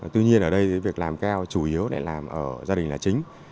tuy nhiên việc làm cao chủ yếu để làm ở gia đình chính